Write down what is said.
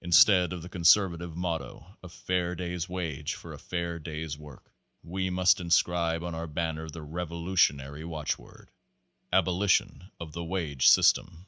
Instead of the conservative motto, "A fair day's age for a fair day's work," we must inscribe on our banner the revolutionary watchword, "Abolition of the wage system."